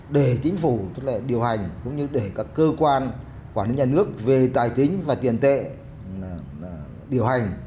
để chính phủ điều hành cũng như các cơ quan quản lý nhà nước về tài chính và tiền tệ điều hành